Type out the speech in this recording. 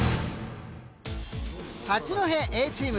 八戸Ａチーム。